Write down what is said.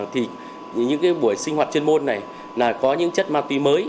thì những buổi sinh hoạt chuyên môn này là có những chất ma túy mới